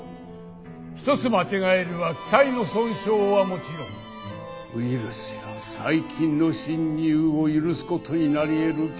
一つ間違えれば機体の損傷はもちろんウイルスや細菌の侵入を許すことになりえる事態を招いたのです。